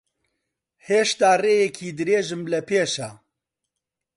هێشتا ڕێیەکی درێژم لەپێشە.